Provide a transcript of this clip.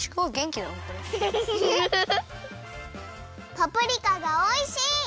パプリカがおいしい！